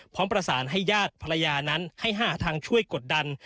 พร้อมประสานให้ญาติภรรยานั้นให้หาทางช่วยกดดัน